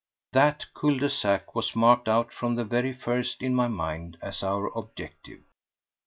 That cul de sac was marked out from the very first in my mind as our objective.